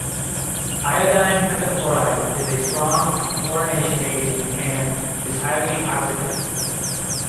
Iodine pentafluoride is a strong fluorination agent and is highly oxidative.